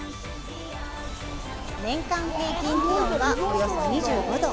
年間平均気温は、およそ２５度。